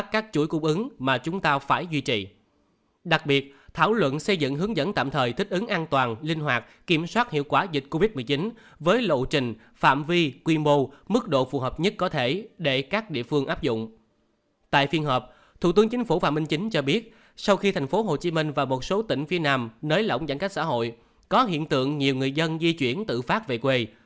tại phiên họp thủ tướng chính phủ phạm minh chính cho biết sau khi thành phố hồ chí minh và một số tỉnh phía nam nới lỏng giãn cách xã hội có hiện tượng nhiều người dân di chuyển tự phát về quê